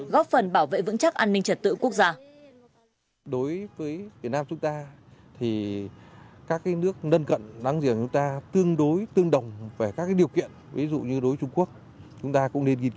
lực lượng bảo đảm an ninh trật tự ở địa bàn cơ sở tại mỗi một quốc gia có thể khác nhau về tên gọi tổ chức hay nhiệm vụ quyền hạn chế độ làm việc